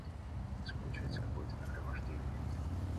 У нас получается какое-то нагромождение.